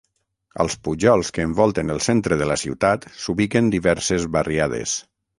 Als pujols que envolten el centre de la ciutat s'ubiquen diverses barriades.